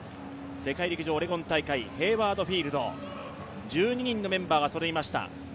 世界陸上オレゴン大会ヘイワード・フィールド１２人のメンバーがそろいました。